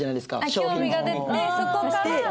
興味が出てそこから。